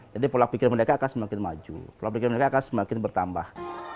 jadi pola pikir mereka akan semakin maju pola pikir mereka akan semakin bertambah